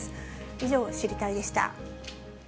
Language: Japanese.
以上、知りたいッ！でした。